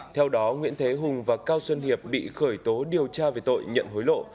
theo đó nguyễn thế hùng và cao xuân hiệp bị khởi tố điều tra về tội nhận hối lộ